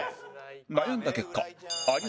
悩んだ結果有吉